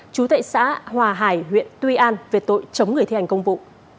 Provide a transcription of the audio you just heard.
chú tệ xã hòa hải huyện tuy an về tội chống người thi hành công vụ